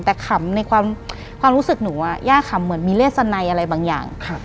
แต่ขำในความรู้สึกหนูว่าย่าขำเหมือนมีเลสนัยอะไรบางอย่าง